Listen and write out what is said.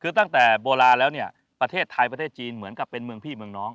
คือตั้งแต่โบราณแล้วเนี่ยประเทศไทยประเทศจีนเหมือนกับเป็นเมืองพี่เมืองน้อง